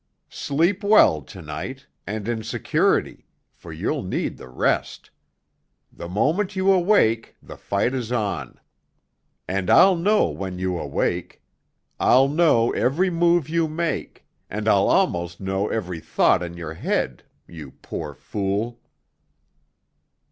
Sleep well to night, and in security, for you'll need the rest. The moment you awake the fight is on. And I'll know when you awake. I'll know every move you make, and I'll almost know every thought in your head—you poor fool!